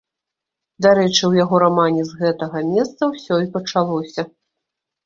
Дарэчы, у яго рамане з гэтага месца ўсё і пачалося.